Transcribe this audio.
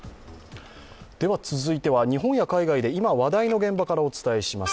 続いては、日本や海外で今話題の現場からお伝えします。